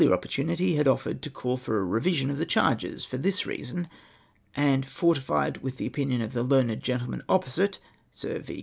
opportunity Lad offered to call for a revision of the charges ; for this reason, and fortified with the opinion of the learned gentleman opposite (Sir V.